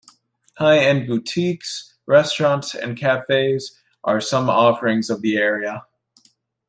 High-end boutiques, restaurants and cafes are some offerings of the area.